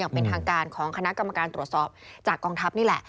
เป็นทางการของคณะกรรมการตรวจสอบจากกองทัพนี่แหละ